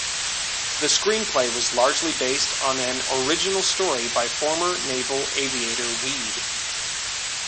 The screenplay was largely based on an original story by former naval aviator Wead.